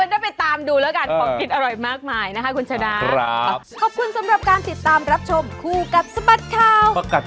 เอาเหมือนกันไปตามดูแล้วกัน